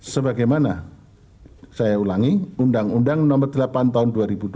sebagaimana saya ulangi undang undang nomor delapan tahun dua ribu dua